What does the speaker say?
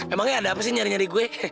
emangnya ada apa sih nyari nyari gue